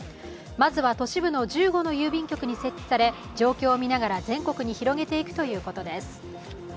まずは都市部の１５の郵便局に設置され、状況を見ながら全国に広げていくということです。